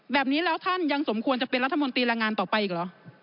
แบบนี้แล้วท่านยังสมควรจะเป็นรัฐมนตรีแรงงานต่อไปอีกเหรอ